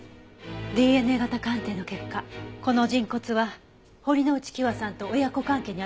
ＤＮＡ型鑑定の結果この人骨は堀之内希和さんと親子関係にある事が確定したわ。